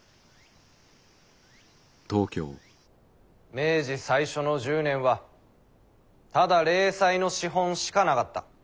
明治最初の１０年はただ零細の資本しかなかった。